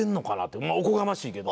まあおこがましいけど。